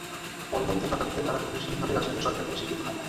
পরবর্তী শতাব্দীতে, তারা আনুষ্ঠানিকভাবে রাজকীয় সরকার দ্বারা স্বীকৃত হয়।